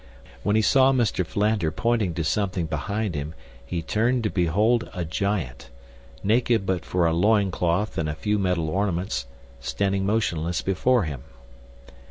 When he saw Mr. Philander pointing to something behind him he turned to behold a giant, naked but for a loin cloth and a few metal ornaments, standing motionless before him.